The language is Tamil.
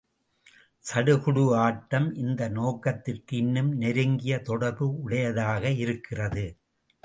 சடுகுடு ஆட்டம் இந்த நோக்கத்திற்கு இன்னும் நெருங்கிய தொடர்பு உடையதாக இருக்கிறது.